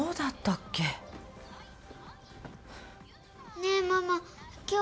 ねえママ今日。